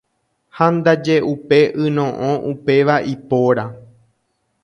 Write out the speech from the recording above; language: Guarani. Ha ndaje upe yno'õ upéva ipóra.